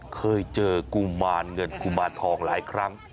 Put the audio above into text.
เคยเจอกุมารเงินกุมารทองหลายครั้ง